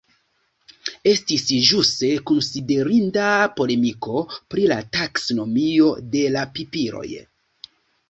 Estis ĵuse konsiderinda polemiko pri la taksonomio de la pipiloj.